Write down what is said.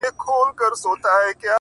زلفې دې په غرونو کي راونغاړه,